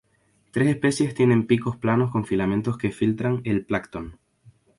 Tres especies tienen picos planos con filamentos que filtran el plancton.